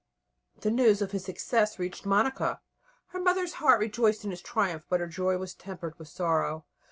The news of his success reached Monica. Her mother's heart rejoiced in his triumph, but her joy was tempered with sorrow.